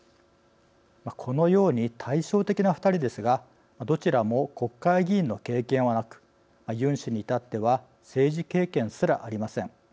このように対照的な２人ですがどちらも国会議員の経験はなくユン氏に至っては政治経験すらありません。